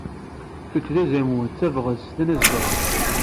Kečč d azamul, d tabɣest, d anazbay.